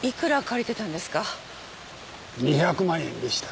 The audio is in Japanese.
２００万円でした。